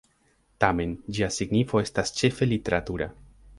Tamen ĝia signifo estas ĉefe literatura.